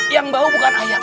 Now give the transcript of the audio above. yang bau bukan ayam